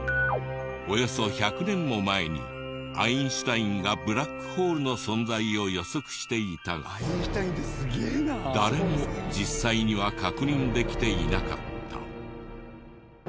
およそ１００年も前にアインシュタインがブラックホールの存在を予測していたが誰も実際には確認できていなかった。